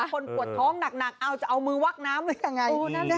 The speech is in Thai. คนปวดท้องหนักเอาจะเอามือวักน้ำหรือยังไง